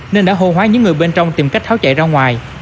nên đã hô hoá những người bên trong tìm cách tháo chạy ra ngoài